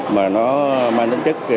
mà nó mang tấm chất